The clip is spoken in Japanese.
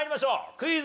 クイズ。